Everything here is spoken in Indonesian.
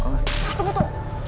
oh yang aus ya